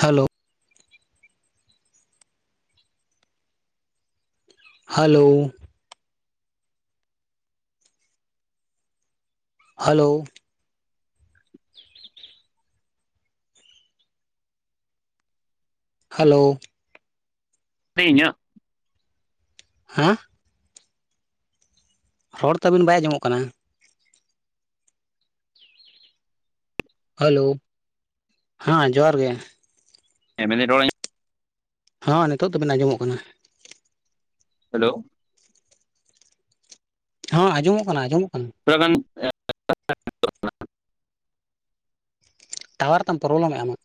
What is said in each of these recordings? Hello hello hello hello ᱛᱮ ᱤᱧᱟᱜ ᱦᱮᱸ ᱦᱚᱲ ᱛᱟᱹᱵᱤᱱ ᱵᱟᱭ ᱟᱸᱡᱚᱢᱚᱜ ᱠᱟᱱᱟ᱾ ᱦᱮᱞᱳ, ᱦᱮᱸ ᱡᱚᱦᱟᱨ ᱜᱮ᱾ ᱮᱢᱫᱟᱧ ᱨᱚᱲ- [unintelligible] ᱦᱚᱸᱸ ᱱᱤᱛᱚᱜ ᱫᱚᱵᱮᱱ ᱟᱸᱡᱚᱢᱚᱜ ᱠᱟᱱᱟ᱾ ᱦᱮᱞᱳ ᱦᱚᱸ ᱟᱸᱡᱚᱢᱚᱜ ᱠᱟᱱᱟ ᱟᱸᱡᱚᱢᱚᱜ ᱠᱟᱱᱟ᱾ [unintelligible] ᱴᱟᱣᱟᱨ ᱛᱟᱢ ᱯᱨᱚᱵᱞᱟᱢ ᱢᱚᱜ-ᱟ᱾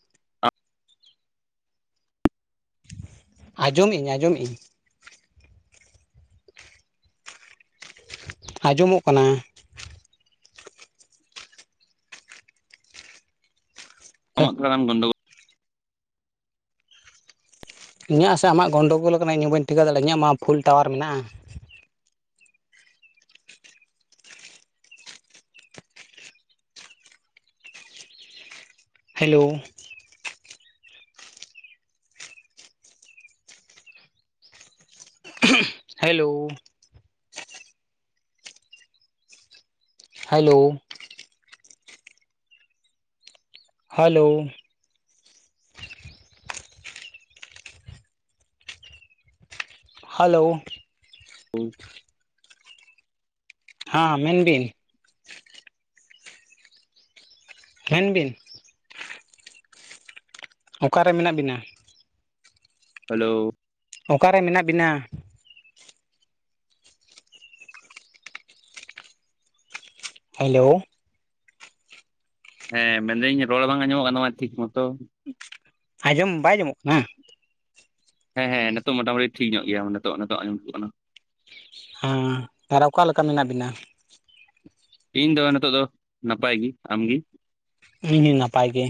[inaudible] ᱟᱸᱡᱚᱢ ᱟᱹᱧ ᱟᱸᱡᱚᱢ ᱟᱹᱧ᱾ ᱟᱸᱡᱚᱢᱚᱜ ᱠᱟᱱᱟ᱾ ᱚᱢᱟᱜ ᱠᱟᱱᱟᱱ ᱜᱚᱱᱰᱚᱜ ᱤᱧᱟᱹᱜ ᱥᱮ ᱟᱢᱟᱜ ᱜᱚᱱᱰᱳᱜᱳᱞ ᱟᱠᱟᱱᱟ ᱤᱧ ᱦᱚᱸ ᱵᱟᱹᱧ ᱴᱷᱤᱠᱟᱹ ᱫᱟᱲᱮᱭᱟᱜᱼᱟ ᱤᱧᱟᱹᱜ ᱢᱟ ᱯᱷᱩᱞ ᱴᱟᱣᱟᱨ ᱢᱮᱱᱟᱜᱼᱟ᱾ Hello hello hello hello hello ᱦᱳᱭ ᱦᱟ. ᱢᱮᱱ ᱵᱤᱱ᱾ ᱢᱮᱱᱵᱤᱱ᱾ ᱚᱠᱟᱨᱮ ᱢᱮᱱᱟᱜ ᱵᱤᱱᱟ? ᱦᱮᱞᱳ ᱚᱠᱟᱨᱮ ᱢᱮᱱᱟᱜ ᱵᱤᱱᱟ? ᱦᱮᱞᱳ ᱦᱮᱸ ᱢᱮᱱᱫᱟᱹᱧ ᱨᱚᱲ ᱵᱟᱝ ᱟᱸᱡᱚᱢᱚᱜ ᱠᱟᱱᱟ ᱛᱟᱢᱟ ᱴᱷᱤᱠ ᱢᱚᱛᱚ᱾ ᱟᱸᱡᱚᱢ ᱵᱟᱭ ᱟᱡᱚᱢᱚᱜ ᱠᱟᱱᱟ? ᱦᱮᱸ ᱦᱮᱸ ᱱᱤᱛᱚᱜ ᱢᱚᱴᱟ ᱢᱩᱴᱤ ᱴᱷᱤᱠ ᱧᱚᱜ ᱜᱮᱭᱟ ᱱᱤᱛᱚᱜ ᱱᱤᱛᱚᱜ ᱟᱸᱡᱚᱢ ᱡᱩᱛᱩᱜ ᱠᱟᱱᱟ᱾ ᱦᱮᱸ ᱟᱨ ᱚᱠᱟᱞᱮᱠᱟ ᱢᱮᱱᱟᱜ ᱵᱤᱱᱟ? ᱤᱧ ᱫᱚ ᱱᱤᱛᱚᱜ ᱫᱚ ᱱᱟᱯᱟᱭ ᱜᱤ᱾ ᱟᱢᱜᱤ? ᱤᱧ ᱦᱩᱧ ᱱᱟᱯᱟᱭ ᱜᱤ᱾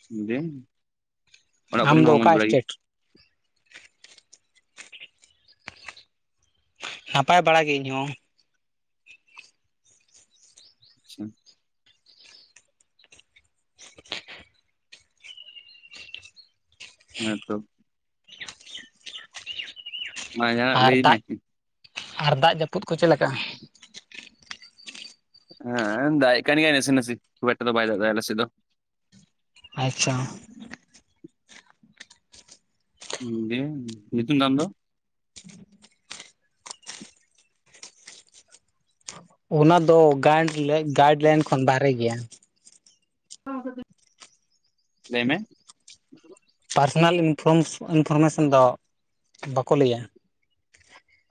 [unintelligible] ᱚᱲᱟᱜ ᱠᱚᱨᱮᱱ ᱟᱢᱫᱚ ᱦᱚᱸ ᱢᱚᱡᱽ ᱚᱠᱟ ᱵᱟᱲᱟ ᱜᱮ ᱥᱴᱮᱴ? ᱱᱟᱯᱟᱭ ᱵᱟᱲᱟᱜᱮ ᱤᱧᱦᱚᱸ᱾ ᱟᱪᱪᱷᱟ [unintelligible] ᱦᱮᱸ ᱛᱚ ᱢᱟ ᱡᱟᱦᱟᱱᱟᱜ ᱟᱨ ᱞᱟᱹᱭ ᱢᱮ, ᱫᱟᱜ ᱟᱨ ᱫᱟᱜ ᱡᱟᱹᱯᱩᱫ ᱠᱚ ᱪᱮᱫ ᱞᱮᱠᱟ? ᱦᱮᱸ ᱫᱟᱜ ᱮᱫ ᱠᱟᱱ ᱜᱮᱭᱟᱭ ᱱᱟᱥᱤ ᱱᱟᱥᱤ ᱠᱷᱩᱵ ᱮᱠᱴᱟ ᱫᱚ ᱵᱟᱭ ᱫᱟᱜ ᱮᱫᱟ ᱟᱞᱮᱥᱮᱫ ᱫᱚ᱾ ᱟᱪᱪᱷᱟ ᱫᱤᱭᱮ ᱧᱩᱛᱩᱢ ᱛᱟᱢ ᱫᱚ? ᱚᱱᱟ ᱫᱚ ᱜᱟᱭᱤᱰ ᱜᱟᱭᱤᱰ ᱞᱟᱭᱤᱱ ᱠᱷᱚᱱ ᱵᱟᱦᱨᱮ ᱜᱮᱭᱟ᱾ [unintelligible] ᱞᱟᱹᱭ ᱢᱮ᱾ ᱯᱟᱨᱥᱚᱱᱟᱞ ᱤᱱᱯᱷᱚᱨᱢᱮᱥᱚᱱ ᱫᱚ ᱵᱟᱠᱚ ᱞᱟᱹᱭᱟ᱾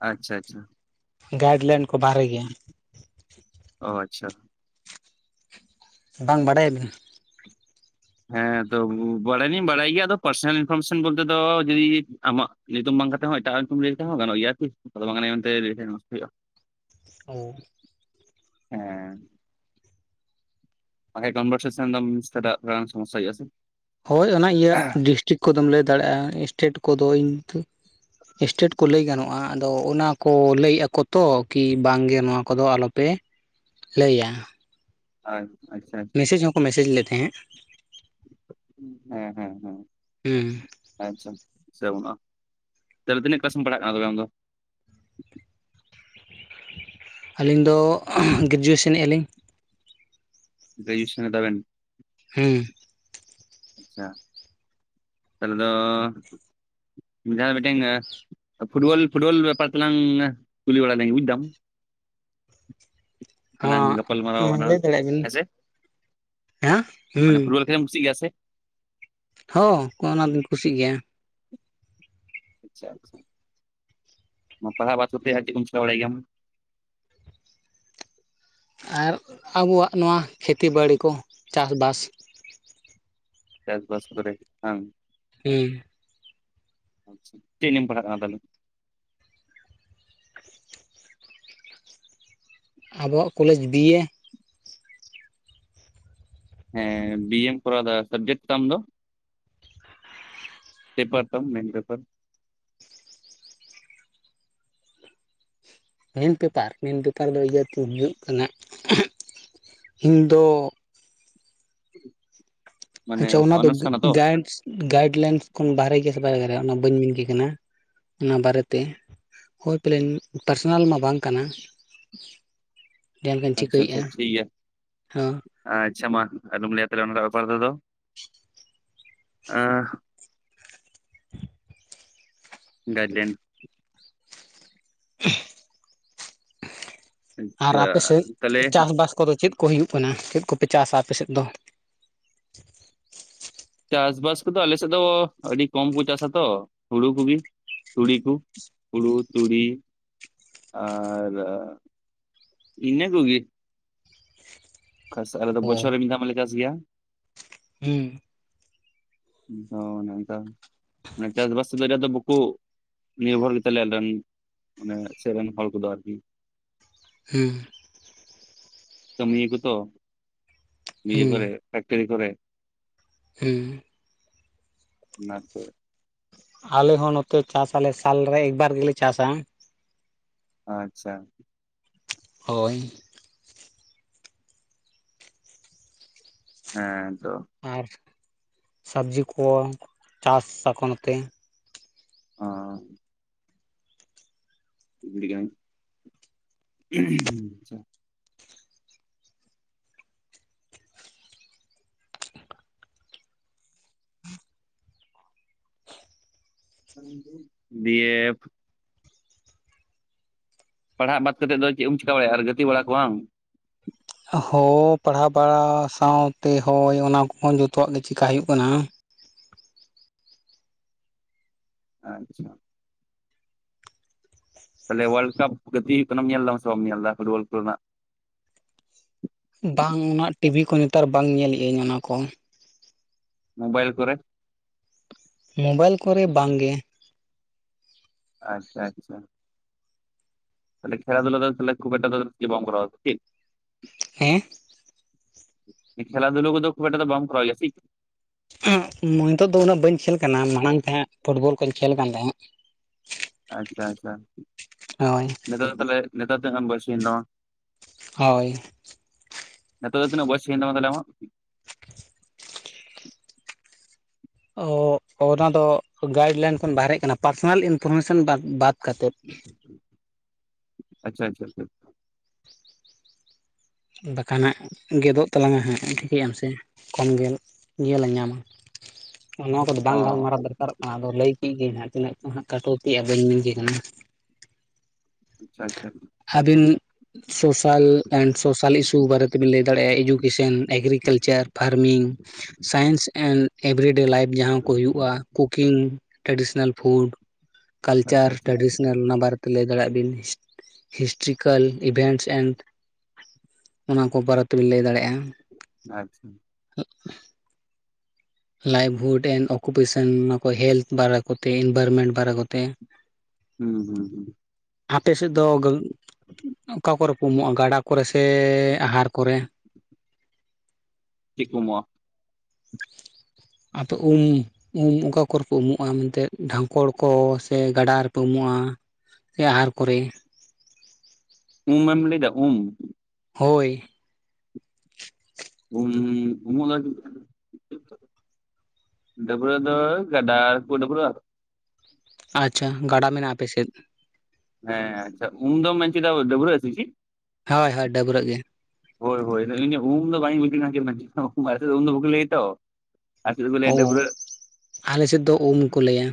ᱟᱪᱪᱷᱟ ᱟᱪᱪᱷᱟ ᱜᱟᱭᱤᱰ ᱞᱟᱭᱤᱱ ᱠᱚ ᱵᱟᱦᱨᱮ ᱜᱮᱭᱟ᱾ ᱚ ᱟᱪᱪᱷᱟ ᱵᱟᱝ ᱵᱟᱰᱟᱭᱟᱵᱤᱱ? ᱦᱮᱸ ᱛᱚ ᱵᱟᱲᱟᱭ ᱞᱤᱧ ᱵᱟᱲᱟᱭ ᱜᱮᱭᱟ ᱟᱫᱚ ᱯᱟᱨᱥᱚᱱᱟᱞ ᱤᱱᱯᱷᱚᱨᱢᱮᱥᱚᱱ ᱵᱚᱞᱛᱮ ᱫᱚ ᱡᱩᱫᱤ ᱟᱢᱟᱜ ᱧᱩᱛᱩᱢ ᱵᱟᱝ ᱠᱟᱛᱮ ᱦᱚᱸ ᱮᱴᱟᱜ ᱧᱩᱛᱩᱢ ᱞᱟᱹᱭ ᱠᱟᱛᱮ ᱦᱚᱸ ᱜᱟᱱᱚᱜ ᱜᱮᱭᱟ ᱠᱤ ᱟᱫᱚ ᱵᱟᱝ ᱜᱟᱱᱚᱜᱼᱟ ᱢᱮᱱᱛᱮ, ᱚ ᱦᱮᱸ ᱵᱟᱠᱷᱟᱡ ᱠᱚᱱᱵᱷᱟᱨᱥᱮᱥᱮᱱ ᱮᱥᱴᱟᱴᱟᱜ ᱛᱷᱚᱲᱟ ᱥᱚᱢᱚᱚᱥᱟ ᱦᱳᱭᱳᱜᱼᱟ ᱥᱮ? ᱦᱳᱭ ᱚᱱᱟ ᱤᱭᱟᱹ ᱰᱤᱥᱴᱤᱠ ᱠᱚᱫᱚᱢ ᱞᱟᱹᱭ ᱫᱟᱲᱮᱭᱟᱜᱼᱟ ᱥᱴᱮᱴ ᱠᱚᱫᱚ ᱤᱱᱛᱮ ᱥᱴᱮᱴ ᱠᱚ ᱞᱟᱹᱭ ᱜᱟᱱᱚᱜᱼᱟ ᱟᱫᱚ ᱚᱱᱟ ᱠᱚ ᱞᱟᱹᱭᱮᱫ ᱟᱠᱚ ᱛᱚ ᱠᱤ ᱵᱟᱝᱜᱮ ᱱᱚᱣᱟ ᱠᱚᱫᱚ ᱟᱞᱚ ᱯᱮ ᱞᱟᱹᱭᱟ᱾ ᱟᱪᱪᱷᱟ ᱟᱪᱪᱷᱟ ᱟᱪᱪᱷᱟ ᱢᱮᱥᱮᱡ ᱞᱮᱫ ᱛᱟᱦᱮᱫ, ᱦᱮᱸ ᱦᱮᱸ ᱦᱮᱸ ᱦᱮᱸ ᱟᱪᱪᱷᱟ ᱥᱮ ᱵᱟᱹᱱᱩᱜᱼᱟ, ᱛᱟᱦᱚᱞᱮ ᱛᱤᱱᱟᱹᱜ ᱠᱞᱟᱥᱮᱢ ᱯᱟᱲᱦᱟᱜ ᱠᱟᱱᱟ ᱛᱚᱵᱮ ᱟᱢ ᱫᱚ? ᱟᱹᱞᱤᱧ ᱫᱚ ᱜᱨᱮᱡᱩᱭᱮᱥᱮᱱ ᱟᱞᱤᱧ᱾ ᱜᱨᱡᱩᱭᱮᱥᱚᱱ ᱫᱟᱵᱮᱱ? ᱦᱩᱸ ᱟᱪᱪᱷᱟ ᱛᱟᱦᱚᱞᱮ ᱫᱚ ᱢᱤᱫᱫᱷᱟᱣ ᱢᱤᱫᱴᱮᱱ ᱯᱷᱩᱴᱵᱚᱞ ᱯᱷᱩᱴᱵᱚᱞ ᱵᱮᱯᱟᱨ ᱛᱮᱞᱟᱝ ᱠᱩᱞᱤ ᱵᱟᱲᱟ ᱞᱮᱱ ᱵᱩᱡᱽ ᱫᱟᱢ᱾ ᱚᱱᱟ ᱜᱟᱯᱟᱞ ᱢᱟᱨᱟᱣ ᱦᱚᱸ ᱟᱞᱟᱝ ᱞᱟᱹᱭ ᱫᱟᱲᱮᱭᱟᱜ ᱵᱤᱱ ᱦᱮᱸᱥᱮ ᱦᱮᱸ ᱢᱟᱱᱮ ᱦᱩᱸ ᱯᱷᱩᱴ ᱵᱚᱞ ᱠᱩᱥᱤ ᱜᱮᱭᱟ ᱥᱮ? ᱦᱚᱸ ᱚᱱᱟ ᱫᱚᱧ ᱠᱩᱥᱤᱜ ᱜᱮᱭᱟ᱾ ᱟᱪᱪᱷᱟ ᱟᱪᱪᱷᱟ ᱢᱟ ᱯᱟᱲᱦᱟᱣ ᱵᱟᱛ ᱠᱟᱛᱮ ᱟᱨ ᱪᱮᱫᱠᱚ ᱪᱮᱠᱟᱭ ᱵᱟᱲᱟ ᱜᱮᱭᱟᱢ? ᱟᱨ ᱟᱵᱚᱣᱟᱜ ᱱᱚᱣᱟ ᱠᱷᱮᱛᱤ ᱵᱟᱲᱮ ᱠᱚ ᱪᱟᱥ ᱵᱟᱥ᱾ ᱪᱟᱥᱵᱟᱥ ᱠᱚᱨᱮ ᱜᱮ ᱵᱟᱝ? ᱦᱩᱸ ᱟᱪᱪᱷᱟ ᱪᱮᱫ ᱱᱤᱭᱮᱢ ᱯᱟᱲᱦᱟᱜ ᱠᱟᱱᱟ ᱛᱟᱦᱚᱞᱮ? ᱟᱵᱚᱣᱟᱜ ᱠᱚᱞᱮᱡᱽ ᱵᱤᱭᱮ᱾ ᱦᱮᱸ ᱵᱤᱭ ᱮᱢ ᱠᱚᱨᱟᱣ ᱮᱫᱟ ᱥᱟᱵᱽᱡᱮᱠᱴ ᱛᱟᱢ ᱫᱚ? ᱯᱮᱯᱟᱨ ᱛᱟᱢ ᱢᱮᱱ ᱯᱮᱯᱟᱨ᱾ ᱢᱮᱱ ᱯᱮᱯᱟᱨ ᱢᱮᱱ ᱯᱮᱯᱟᱨ ᱫᱚ ᱤᱭᱟᱹᱛᱤᱧ ᱦᱩᱭᱩᱜ ᱠᱟᱱᱟ ᱤᱧ ᱫᱚ ᱢᱟᱱᱮ ᱟᱪᱪᱷᱟ ᱚᱱᱟ ᱫᱚ ᱚᱱᱟᱨᱥ ᱠᱟᱱᱟ ᱛᱚ ᱜᱟᱭᱮᱱᱥ ᱜᱟᱭᱤᱰ ᱞᱟᱭᱤᱱᱥ ᱠᱷᱚᱱ ᱵᱟᱨᱦᱮ ᱜᱮᱭᱟ ᱥᱮ ᱵᱟᱭ ᱵᱟᱨᱮᱭᱟ ᱚᱱᱟ ᱵᱟᱹᱧ ᱢᱮᱱ ᱠᱟᱱᱟ ᱚᱱᱟ ᱵᱟᱨᱮᱛᱮ ᱦᱳᱭ ᱯᱟᱞᱮᱱ ᱯᱟᱨᱥᱚᱱᱟᱞ ᱢᱟ ᱵᱟᱝ ᱠᱟᱱᱟ ᱡᱟᱦᱟᱸᱞᱮᱠᱟᱹᱧ ᱟᱪᱪᱷᱟ ᱟᱪᱪᱷᱟ ᱪᱷᱤᱠᱟᱹᱭᱮᱫᱼᱟ ᱴᱷᱤᱠ ᱜᱮᱭᱟ ᱦᱚᱸ ᱟᱪᱪᱷᱟ ᱢᱟ ᱟᱞᱚᱢ ᱞᱟᱹᱭᱟ ᱛᱟᱦᱮ ᱚᱱᱟ ᱵᱮᱯᱟᱨ ᱛᱮᱫᱚ [inaudible] ᱮᱻ ᱜᱟᱭᱤᱰᱞᱟᱭᱤᱱ ᱟᱨ ᱟᱪᱪᱷᱟ ᱟᱯᱮ ᱥᱮᱫ ᱛᱟᱦᱚᱞᱮ ᱪᱟᱥᱵᱟᱥ ᱠᱚᱫᱚ ᱪᱮᱫ ᱠᱚ ᱦᱩᱭᱩᱜ ᱠᱟᱱᱟ ᱪᱮᱫ ᱠᱚᱯᱮ ᱪᱟᱥᱟ ᱟᱯᱮᱥᱮᱫ ᱫᱚ ᱪᱟᱥᱵᱟᱥ ᱠᱚᱫᱚ ᱟᱞᱮᱥᱮᱫ ᱫᱚ ᱟᱹᱰᱤ ᱠᱚᱢ ᱠᱚ ᱪᱟᱥᱟ ᱛᱚ ᱦᱩᱲᱩ ᱠᱚᱜᱮ ᱛᱩᱲᱤ ᱠᱚ ᱦᱩᱲᱩ ᱛᱩᱲᱤ ᱟᱨ ᱤᱱᱟᱹ ᱠᱚᱜᱤ ᱚᱠᱟᱥ ᱟᱞᱮ ᱫᱚ ᱦᱳᱭ ᱵᱚᱪᱷᱚᱨ ᱢᱤᱫᱷᱟᱣ ᱢᱟᱞᱮ ᱪᱟᱥ ᱜᱮᱭᱟ ᱦᱩᱸ ᱚ ᱚᱱᱟ ᱫᱚ ᱢᱟᱱᱮ ᱪᱟᱥᱵᱟᱥ ᱥᱚᱢᱚᱭ ᱫᱚ ᱵᱩᱠᱩ ᱱᱤᱭᱚᱵᱷᱚᱨ ᱜᱮᱛᱟᱞᱮ ᱟᱞᱮ ᱢᱟᱱᱮ ᱥᱮᱫ ᱨᱮᱱ ᱦᱚᱲ ᱠᱚᱫᱚ ᱟᱨᱠᱤ ᱦᱩᱸ ᱠᱟᱹᱢᱤᱭᱟᱠᱚ ᱛᱚ ᱤᱭᱟᱹ ᱦᱩᱸ ᱠᱚᱨᱮ ᱯᱷᱮᱠᱴᱨᱤ ᱠᱚᱨᱮ ᱦᱩᱸ ᱚᱱᱟ ᱛᱮ ᱟᱞᱮ ᱦᱚᱸ ᱱᱚᱛᱮ ᱪᱟᱥ ᱟᱞᱮ ᱥᱟᱞᱨᱮ ᱮᱠᱵᱟᱨ ᱜᱮᱞᱮ ᱪᱟᱥᱟ ᱟᱪᱪᱷᱟ ᱦᱳᱭ ᱦᱮᱸ ᱛᱚ ᱟᱨ ᱥᱚᱵᱽᱡᱤ ᱠᱚ ᱪᱟᱥ ᱟᱠᱚ ᱱᱚᱛᱮ ᱚᱻ [unintelligible] ᱟᱪᱪᱷᱟ ᱵᱤ ᱮᱯᱷ ᱯᱟᱲᱦᱟᱜ ᱵᱟᱫᱽ ᱠᱟᱛᱮ ᱫᱚ ᱪᱮᱫ ᱮᱢ ᱪᱮᱠᱟ ᱵᱟᱲᱟᱭᱼᱟ ᱜᱟᱛᱮ ᱵᱟᱲᱟ ᱠᱚ ᱵᱟᱝ ᱦᱳ ᱯᱟᱲᱦᱟᱣ ᱵᱟᱲᱟ ᱥᱟᱶᱛᱮ ᱦᱳᱭ ᱚᱱᱟ ᱠᱚᱦᱚᱸ ᱡᱚᱛᱚᱣᱟᱜ ᱜᱮ ᱪᱮᱠᱟ ᱦᱩᱭᱩᱜ ᱠᱟᱱᱟ ᱟᱪᱪᱷᱟ ᱛᱟᱞᱮ ᱣᱟᱞ ᱠᱟᱯ ᱜᱟ. ᱛᱤ ᱦᱩᱭᱩᱜ ᱠᱟᱱᱟ ᱧᱮᱞ ᱫᱟᱢ ᱥᱮᱢ ᱧᱮᱞ ᱫᱟ ᱯᱷᱩᱴᱵᱚᱞ ᱠᱚᱨᱮ ᱱᱟᱜ ᱵᱟᱝ ᱚᱱᱟ ᱴᱤᱵᱷᱤ ᱠᱚ ᱱᱮᱛᱟᱨ ᱵᱟᱝ ᱧᱮᱞᱮᱫ ᱟᱹᱧ ᱚᱱᱟ ᱠᱚ ᱢᱳᱵᱟᱭᱤᱞ ᱠᱚᱨᱮ ᱢᱳᱚᱵᱟᱭᱤᱞ ᱠᱚᱨᱮ ᱵᱟᱝᱜᱮ ᱟᱪᱪᱷᱟ ᱟᱪᱪᱷᱟ ᱛᱟᱦᱮ ᱠᱷᱮᱞᱟ ᱫᱷᱩᱞᱟ ᱫᱚᱮ ᱠᱷᱩᱵ ᱮᱴ ᱵ ᱠᱚᱨᱟᱟᱣ ᱪ ᱦᱮᱸ ᱠᱷᱮᱞᱟ ᱫᱷᱩᱞ ᱠᱚᱚ ᱠᱷᱩᱵᱴᱟ ᱫᱚ ᱵᱢ ᱠᱚᱨᱟ ᱜᱮᱼᱟ ᱪ ᱱᱤᱛᱳ ᱫᱚ ᱩᱱᱟᱹᱜ ᱵᱟᱹᱧ ᱠᱷᱮᱞ ᱠᱟᱱᱟ ᱢᱟᱲᱟᱝ ᱛᱟᱦᱮᱸᱫ ᱯᱷᱩᱴᱵᱚᱞ ᱠᱚᱧ ᱠᱷᱮᱞ ᱠᱟᱱ ᱛᱟᱦᱮᱸᱫ ᱟᱪᱪᱷᱟ ᱟᱪᱪᱷᱟ ᱦᱳᱭ ᱱᱤᱛᱟᱜ ᱫᱚ ᱛᱟᱦᱮᱞᱮ ᱱᱤᱛᱚᱜ ᱛᱤᱱᱟᱜ ᱜᱟᱱ ᱵᱚᱥᱤᱭᱮᱥ ᱦᱩᱭᱮᱱ ᱛᱟᱢᱟ ᱦᱳᱭ ᱱᱤᱛᱚᱜ ᱫᱚ ᱛᱤᱱᱟᱜ ᱵᱚᱭᱮᱥ ᱦᱩᱭᱮᱱ ᱛᱟᱢᱟ ᱟᱢᱟᱜ ᱚ ᱚᱱᱟ ᱫᱚ ᱜᱟᱭᱤᱰ ᱞᱟᱭᱤᱱ ᱠᱷᱚᱱ ᱵᱟᱨᱮᱡ ᱠᱟᱱᱟ ᱯᱟᱨᱥᱚᱱᱟᱞ ᱤᱱᱯᱷᱚᱨᱢᱮᱥᱚᱱ ᱵᱟᱫ ᱠᱟᱛᱮᱫ ᱟᱪᱪᱷᱟ ᱟᱪᱷᱟᱪᱷᱟ ᱵᱟᱠᱷᱟᱱ ᱦᱟᱜ ᱜᱮᱫᱚᱜ ᱛᱟᱞᱟᱝᱼᱟ ᱦᱟᱸᱜ ᱴᱷᱤᱠᱟᱹᱭᱟᱢ ᱥᱮ ᱠᱚᱢ ᱜᱮᱞ ᱧᱮᱞ ᱧᱟᱢᱟ᱾ ᱱᱚᱣᱟ ᱠᱚᱫᱚ ᱚ ᱵᱟᱝ ᱜᱟᱞᱢᱟᱨᱟᱣ ᱫᱚᱨᱠ ᱟᱨᱚᱜ ᱠᱟᱱᱟ ᱟᱫᱚ ᱞᱟᱹᱭ ᱠᱮᱫ ᱜᱮᱤᱧ ᱦᱟᱸᱜ ᱛᱤᱱᱟᱹᱜ ᱪ ᱦᱟᱸᱜ ᱠᱷᱴᱛᱤᱜ ᱵᱟ. ᱧ ᱢᱮᱱ ᱠᱮ ᱠᱟᱱᱟ᱾ ᱟᱪᱪᱷᱟ ᱟᱪᱪᱷᱟ᱾ ᱟᱹᱵᱤᱱ ᱥᱚᱥᱟᱞ ᱥᱚᱥᱟᱞ ᱤᱥᱩ ᱵᱟᱨᱮ ᱛᱮᱵᱤᱱ ᱞᱟᱹᱭ ᱫᱟᱲᱮᱭᱟᱜᱼᱟ, ᱮᱡᱩᱠᱮᱥᱚᱱ ᱮᱜᱽᱨᱤᱠᱟ. ᱞᱪᱟ. ᱨ farming science and everyday life ᱡᱟᱦᱟᱸ ᱠᱚ ᱦᱩᱭᱩᱜᱼᱟ, ᱠᱩᱠᱤᱝ ᱴᱮᱰᱤᱥᱟ. ᱱᱟ. ᱞ ᱯᱷᱩᱰ ᱠᱟᱞᱪᱟᱨ ᱟᱪᱪᱷᱟ ᱴᱮᱰᱤᱥᱟ. ᱱᱟ. ᱞ ᱚᱱᱟ ᱵᱟᱨᱮ ᱞᱟᱹᱭ ᱫᱟᱲᱮᱭᱟᱜ ᱵᱤᱱ ᱦᱤᱥᱴᱨᱤᱠᱟ. ᱞ ᱤᱵᱷᱮᱱᱴᱥ ᱮᱱᱰ ᱚᱱᱟ ᱠᱚ ᱵᱟᱨᱮ ᱛᱮᱵᱤᱱ ᱞᱟᱹᱭ ᱫᱟᱲᱮᱭᱟᱜᱼᱟ᱾ ᱟᱪᱪᱷᱟ᱾ Livelihood and ᱚᱠᱩᱯᱮᱥᱟ. ᱱ ᱚᱱᱟ ᱠᱚ ᱦᱮᱞᱛᱷ ᱵᱟᱨᱮ ᱠᱚᱛᱮ ᱤᱱᱵᱷᱟᱨᱢᱮᱱᱴ ᱵᱟᱨᱮ ᱠᱚᱛᱮ᱾ ᱦᱩᱸ ᱦᱩᱸ ᱦᱩᱸ᱾ ᱟᱯᱮ ᱥᱮᱫ ᱫᱚ ᱚᱠᱟ ᱠᱚᱨᱮ ᱠᱚ ᱩᱢᱚᱜᱼᱟ ᱜᱟᱰᱟ ᱠᱚᱨᱮ ᱥᱮ ᱟᱦᱟᱨ ᱠᱚᱨᱮ? ᱥᱤ ᱠᱚ ᱩᱢᱩᱜᱟ᱾ ᱟᱫᱚ ᱩᱢ ᱩᱢ ᱚᱠᱟ ᱠᱚᱨᱮ ᱠᱚ ᱩᱢᱩᱜᱼᱟ ᱢᱮᱱᱛᱮᱫ ᱰᱷᱟᱝᱠᱚᱲ ᱠᱚ ᱥᱮ ᱜᱟᱰᱟ ᱨᱮᱯᱮ ᱩᱢᱚᱜᱼᱟ᱾ ᱥᱮ ᱟᱦᱟᱨ ᱠᱚᱨᱮ? ᱩᱢ ᱵᱮᱱ ᱞᱟᱹᱭᱟᱫᱟ ᱩᱢ᱾ ᱦᱚᱭ᱾ [unintelligible] ᱰᱟ. ᱵᱨᱟᱹ ᱫᱚ ᱜᱟᱰᱟᱨᱮ ᱠᱚ ᱰᱟᱹᱵᱨᱟ. ᱜ ᱟ᱾ ᱟᱪᱪᱷᱟ ᱜᱟᱰᱟ ᱢᱮᱱᱟᱜᱼᱟ ᱟᱯᱮ ᱥᱮᱫ? ᱦᱮᱸ ᱟᱪᱪᱷᱟ ᱩᱢᱫᱚᱢ ᱢᱮᱱᱧᱠᱤᱫᱟ ᱫᱚ ᱰᱮᱵᱽᱨᱟᱹ ᱟᱯᱮ ᱪᱤ? ᱦᱚᱭ ᱦᱚᱭ ᱰᱟᱹᱵᱽᱨᱟᱹᱜ ᱜᱮ᱾ [unintelligible] ᱟᱞᱮ ᱥᱮᱫ ᱫᱚᱠᱚ ᱚ ᱞᱟᱹᱭᱟ ᱰᱟᱹᱵᱽᱨᱟᱹᱜ ᱟᱞᱮᱥᱮᱫ ᱫᱚ ᱩᱢ ᱠᱚ ᱞᱟᱹᱭᱟ᱾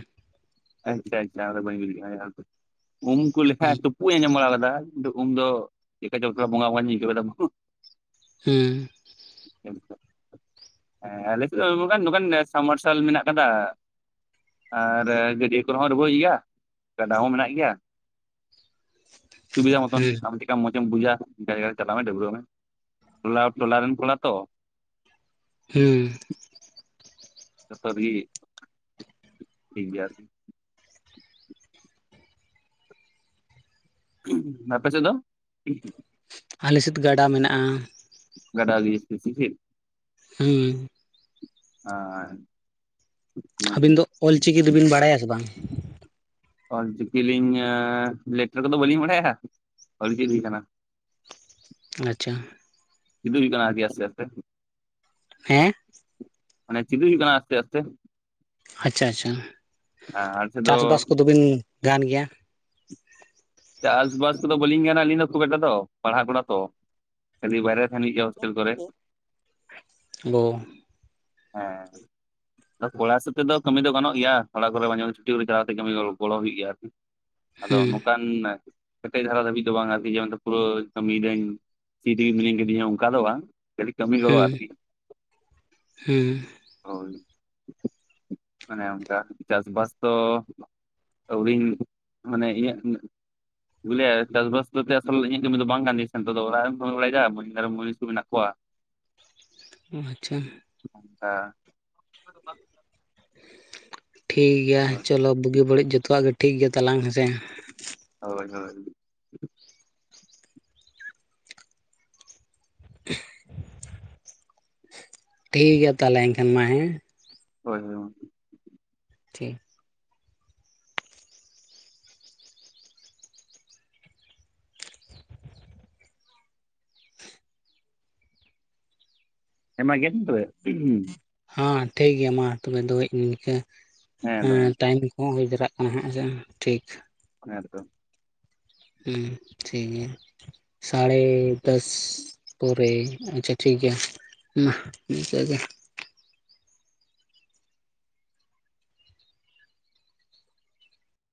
[unintelligible] ᱵᱟᱧ ᱟᱸᱡᱚᱢ ᱦᱩᱸ ᱵᱟᱲᱟ ᱟᱠᱟᱫᱟ ᱡᱮ ᱩᱢ ᱫᱚ ᱪᱮᱫᱠᱟ ᱪᱚᱲᱟ ᱵᱚᱸᱜᱟ ᱵᱚᱸᱜᱟᱧ ᱟᱹᱭᱠᱟᱹᱣ ᱠᱮᱫᱟ᱾ ᱦᱩᱸ᱾ [inaudible] ᱦᱮᱸ ᱟᱞᱮᱥᱮᱫ ᱫᱚ ᱱᱚᱝᱠᱟᱱ ᱱᱚᱝᱠᱟᱱ ᱥᱟᱢᱟᱨᱥᱟᱞ ᱢᱮᱱᱟᱜ ᱟᱠᱟᱫᱟ᱾ ᱟᱨ ᱤᱭᱟᱹ ᱠᱚᱨᱮ ᱦᱚᱸ ᱨᱚᱦᱚᱹᱭ ᱜᱮᱭᱟ ᱜᱟᱰᱟ ᱦᱚᱸ ᱢᱮᱱᱟᱜ ᱜᱮᱭᱟ ᱥᱩᱵᱤᱫᱟ ᱢᱚᱛᱚᱱ᱾ ᱦᱩᱸ ᱪᱮᱫ ᱠᱟ ᱢᱚᱸᱡᱽ ᱮᱢ ᱵᱩᱡᱟ ᱡᱟᱭᱟᱨᱮ ᱪᱟᱞᱟᱜ ᱢᱮ ᱰᱟᱹᱵᱽᱨᱟᱹᱜ ᱢᱮ ᱴᱚᱞᱟ ᱴᱚᱞᱟ ᱨᱡᱱ ᱠᱚᱞᱟ ᱛᱚ᱾ ᱦᱩᱸ ᱾ [unintelligible] ᱟᱯᱮ ᱥᱮᱫ ᱫᱚ? ᱟᱞᱮᱥᱮᱫ ᱜᱟᱰᱟ ᱢᱮᱱᱟᱜᱼᱟ᱾ ᱜᱟᱰᱟ ᱜᱤ ᱵᱤᱥᱤ ᱜᱮ? ᱦᱩᱸ᱾ ᱦᱚᱭ᱾ ᱟᱹᱵᱤᱱ ᱫᱚ ᱚᱞ ᱪᱤᱠᱤ ᱫᱚᱵᱤᱱ ᱵᱟᱲᱟᱭᱟ ᱥᱮ ᱵᱟᱝ? ᱚᱞ ᱪᱤᱠᱤ ᱞᱤᱧ ᱞᱮᱴᱟᱨ ᱠᱚᱫᱚ ᱵᱟᱹᱞᱤᱧ ᱵᱟᱰᱟᱭᱟ ᱚᱞ ᱜᱤ ᱦᱩᱭ ᱠᱟᱱᱟ᱾ ᱟᱪᱪᱷᱟ᱾ [unintelligible] ᱦᱮᱸ᱾ [unintelligible] ᱟᱪᱪᱷᱟ ᱟᱪᱪᱷᱟ᱾ ᱟᱨ ᱥᱮᱫ ᱫᱚ ᱪᱟᱥᱵᱟᱥ ᱠᱚᱫᱚ ᱵᱤᱱ ᱜᱟᱱ ᱜᱮᱭᱟ? ᱪᱟᱥ ᱵᱟᱥ ᱠᱚᱫᱚ ᱵᱟᱹᱞᱤᱧ ᱜᱟᱱᱟ ᱟᱹᱞᱤᱧ ᱫᱚ ᱠᱷᱩᱵᱽ ᱮᱠᱴᱟ ᱫᱚ ᱯᱟᱲᱦᱟᱜ ᱠᱟᱱᱟ ᱛᱚ᱾ ᱠᱷᱟᱹᱞᱤ ᱵᱟᱭᱨᱮ ᱨᱮ ᱛᱟᱦᱮᱱ ᱦᱩᱭᱩᱜ ᱟ ᱦᱚᱥᱴᱮᱞ ᱠᱚᱨᱮ ᱾ [unintelligible] ᱦᱮᱸ ᱠᱚᱲᱟ ᱦᱤᱥᱟᱯ ᱛᱮᱫᱚ ᱠᱟᱢᱤ ᱫᱚ ᱜᱟᱱᱚᱜ ᱜᱮᱭᱟ ᱚᱲᱟᱜ ᱠᱚᱨᱮ ᱢᱟᱡᱷᱮ ᱢᱟᱡᱷᱮ ᱪᱷᱩᱴᱤ ᱠᱟᱛᱮ ᱜᱚᱲᱚ ᱵᱟᱲᱟ ᱦᱩᱭᱩᱜ ᱜᱮᱭᱟ ᱟᱨᱠᱤ᱾ ᱟᱫᱚ ᱦᱮᱸ ᱱᱚᱝᱠᱟᱱ ᱠᱮᱴᱮᱡ ᱫᱷᱟᱨᱟ ᱫᱷᱟᱹᱵᱤᱡ ᱫᱚ ᱵᱟᱝ ᱟᱨᱠᱤ ᱯᱩᱨᱟᱹ ᱠᱟᱹᱢᱤᱭᱤᱫᱟᱹᱧᱼᱼ ᱯᱷᱤᱰᱤ ᱢᱤᱱᱟᱹᱧ ᱠᱤᱫᱤᱧᱟ ᱚᱱᱠᱟ ᱫᱚ ᱵᱟᱝ ᱠᱷᱟᱞᱤ ᱠᱟᱹᱢᱤ ᱜᱚᱲᱚ ᱦᱮᱸ ᱟᱨᱠᱤ, ᱦᱮᱸ ᱦᱚᱭ ᱚᱱᱮ ᱚᱱᱠᱟ ᱪᱟᱥᱵᱟᱥ ᱫᱚ ᱟᱹᱣᱨᱤᱧ ᱢᱟᱱᱮ ᱤᱧᱟᱹᱜ ᱵᱩᱞᱮ ᱪᱟᱥ ᱵᱟᱥ ᱫᱚ ᱟᱥᱚᱞ ᱤᱧ ᱠᱟᱹᱢᱤ ᱫᱚ ᱵᱟᱝ ᱠᱟᱱ ᱛᱤᱧ ᱥᱮ ᱱᱤᱛᱚᱜ ᱫᱚ ᱚᱲᱟᱜ ᱨᱮᱢ ᱠᱟᱢᱤ ᱵᱟᱲᱟᱭᱟ ᱡᱟ ᱟᱨ ᱢᱩᱱᱤᱥ ᱠᱚ ᱢᱮᱱᱟᱜ ᱠᱚᱣᱟ᱾ ᱚ ᱟᱪᱪᱷᱟ᱾ ᱚᱱᱠᱟ [inaudible] ᱴᱷᱤᱠ ᱜᱮᱭᱟ ᱦᱳᱭ ᱪᱚᱞᱚ ᱵᱩᱜᱤ ᱵᱟᱹᱲᱤᱡ ᱡᱚᱛᱚᱣᱟᱜ ᱜᱮ ᱴᱷᱤᱠ ᱜᱮᱭᱟ ᱛᱟᱞᱟᱝ ᱦᱮᱸᱥᱮ᱾ ᱦᱚᱭ ᱦᱚᱭ᱾ [inaudible] ᱴᱷᱤᱠ ᱜᱮᱭᱟ ᱛᱟᱦᱚᱞᱮ ᱮᱱᱠᱷᱟᱱ ᱢᱟ ᱦᱮᱸ᱾ ᱦᱳᱭ ᱦᱳᱭ ᱢᱟ᱾ ᱴᱷᱤᱠ᱾ ᱦᱮᱢᱟ ᱜᱮᱫ ᱢᱮ ᱛᱚᱵᱮ᱾ ᱦᱚᱸ ᱴᱷᱤᱠ ᱜᱮᱭᱟ ᱢᱟ ᱛᱚᱵᱮ ᱫᱚᱦᱚᱭᱟᱧ ᱤᱱᱠᱟ ᱦᱮᱸ ᱫᱚᱦᱚᱭ ᱴᱟᱭᱤᱢ ᱠᱚᱼᱼ ᱦᱚᱸ ᱦᱩᱭ ᱫᱟᱲᱟᱜ ᱠᱟᱱᱟ ᱦᱟᱜ ᱦᱮᱥᱮ ᱴᱷᱤᱠ᱾ ᱦᱮᱛᱚ᱾ ᱦᱩᱸ ᱴᱷᱤᱠ ᱜᱮᱭᱟ᱾ ᱥᱟᱲᱮ ᱫᱟᱥ ᱯᱚᱨᱮ ᱟᱪᱪᱷᱟ ᱴᱷᱤᱠ ᱜᱮᱭᱟ᱾ ᱢᱟᱷ ᱤᱱᱠᱟᱜᱮ᱾